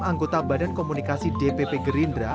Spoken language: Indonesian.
anggota badan komunikasi dpp gerindra